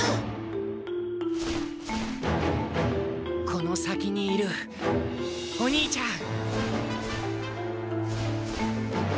この先にいるお兄ちゃん。